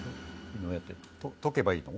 とけばいいの？